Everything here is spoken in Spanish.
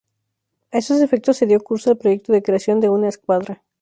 A esos efectos se dio curso al proyecto de creación de una escuadra.